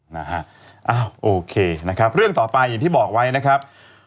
นะฮะอ้าวโอเคนะครับเรื่องต่อไปอย่างที่บอกไว้นะครับ